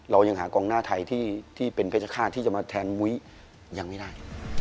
เรายังหากองหน้าไทยที่เป็นเพชรฆาตที่จะมาแทนมุ้ยยังไม่ได้